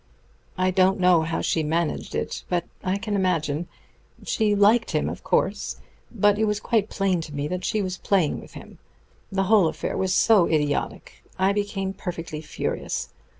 I don't know how she managed it, but I can imagine.... She liked him, of course; but it was quite plain to me that she was playing with him. The whole affair was so idiotic, I became perfectly furious.